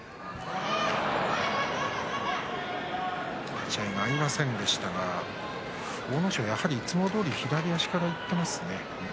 立ち合いが合いませんでしたが阿武咲はやはりいつもどおり左の足からいっていますね。